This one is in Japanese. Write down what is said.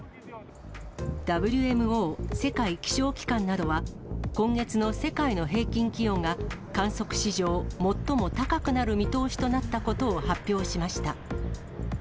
ＷＭＯ・世界気象機関などは、今月の世界の平均気温が観測史上最も高くなる見通しとなったことを発表しました。